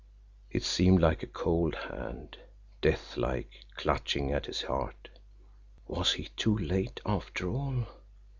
It seemed like a cold hand, deathlike, clutching at his heart. Was he too late, after all!